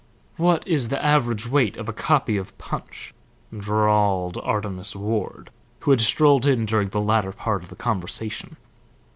"What is the average weight of a copy of Punch?" drawled Artemas Ward, who had strolled in during the latter part of the conversation.